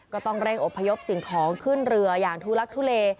ก็ต้องเร่งอบพยพสิ่งของขึ้นเรืออย่างทุลักทุเล